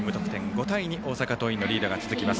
５対２、大阪桐蔭のリードが続きます。